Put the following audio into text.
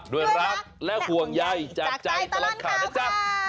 ด้วยรักและห่วงใยจากใจตลอดข่าวนะจ๊ะ